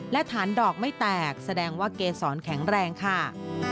และฐานดอกไม่แตกแสดงว่าเกษรแข็งแรงค่ะ